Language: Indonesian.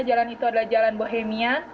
jalan itu adalah jalan bohemia